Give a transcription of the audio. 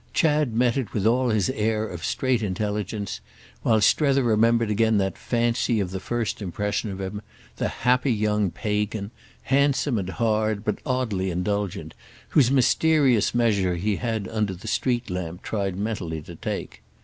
Chad met it with all his air of straight intelligence, while Strether remembered again that fancy of the first impression of him, the happy young Pagan, handsome and hard but oddly indulgent, whose mysterious measure he had under the street lamp tried mentally to take.